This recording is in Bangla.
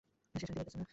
সে শান্তি পাইতেছিল না।